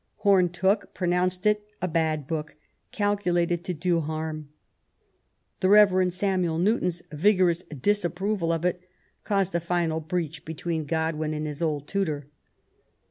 Home Tooke pronounced it a bad book, calculated to do harm. The Rev. Samuel Newton's vigorous disapproval of it caused a final breach between Godwin and his old tutor.